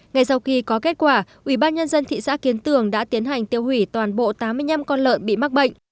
ngay sau khi có kết quả ubnd thị xã kiến tường đã tiến hành tiêu hủy toàn bộ tám mươi năm con lợn bị mắc bệnh